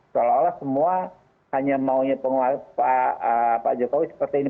seolah olah semua hanya maunya penguasa pak jokowi seperti ini